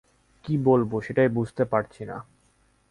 কী বলব, সেটাই বুঝতে পারছি না!